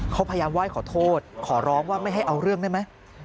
เขาพยายามไหว้ขอโทษขอร้องว่าไม่ให้เอาเรื่องได้ไหม